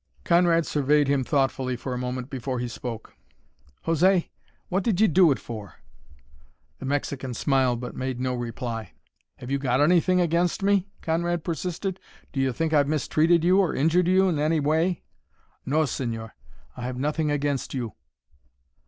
Conrad surveyed him thoughtfully for a moment before he spoke. "José, what did you do it for?" The Mexican smiled but made no reply. "Have you got anything against me?" Conrad persisted. "Do you think I've mistreated you or injured you in any way?" "No, señor, I have nothing against you."